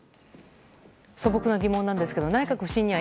素朴な疑問ですが内閣不信任案